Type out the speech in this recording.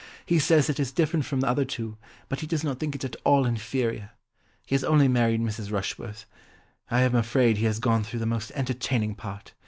He says it is different from the other two, but he does not think it at all inferior. He has only married Mrs. Rushworth. I am afraid he has gone through the most entertaining part.